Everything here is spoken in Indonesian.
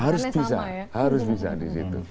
harus bisa harus bisa di situ